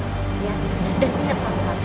lihat dan inget satu hal